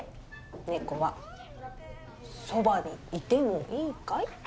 「ねこはそばにいてもいいかい」